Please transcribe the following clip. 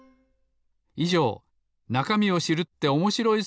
いじょう「なかみを知るっておもしろい！